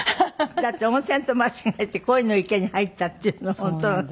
だって温泉と間違えてコイの池に入ったっていうの本当なの？